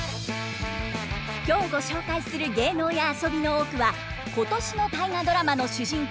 今日ご紹介する芸能や遊びの多くは今年の「大河ドラマ」の主人公